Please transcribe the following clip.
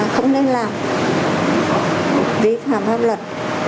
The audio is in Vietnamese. không nên làm vi phạm hấp luật